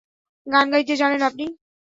গান গাইতে জানেন আপনি?